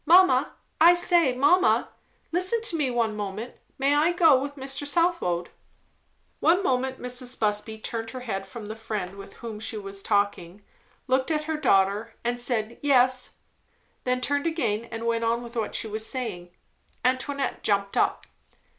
Mamma! I say, mamma! listen to me one moment; may I go with Mr. Southwode?" One moment Mrs. Busby turned her head from the friend with whom she was talking, looked at her daughter, and said, "Yes"; then turned again and went on with what she was saying. Antoinette jumped up.